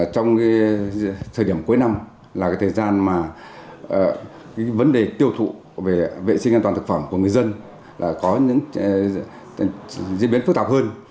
trong thời điểm cuối năm là thời gian mà vấn đề tiêu thụ về vệ sinh an toàn thực phẩm của người dân là có những diễn biến phức tạp hơn